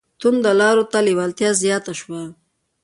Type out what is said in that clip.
توندو لارو ته لېوالتیا زیاته شوه